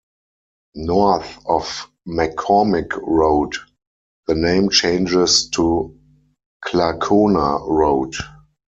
North of McCormick Road the name changes to Clarcona Road.